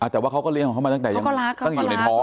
แต่ว่าเขาก็เลี้ยงของเขามาตั้งแต่ยังตั้งอยู่ในท้อง